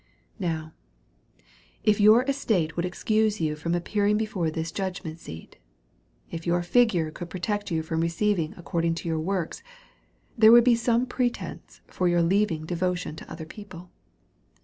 Now, if your estate would excuse you from appearing before this judgment seat ; if your figure could pro tect you from receiving according to your works, there would be some pretence for your leaving devotion to other people.